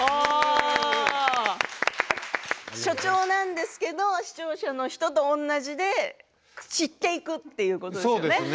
所長なんですけど視聴者の人と同じで知っていくということですね。